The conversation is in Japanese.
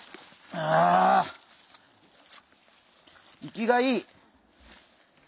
生きがいい！